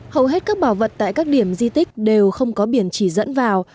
hầu hết các bảo vật tại các điểm di tích đều không có biển chỉ dẫn vào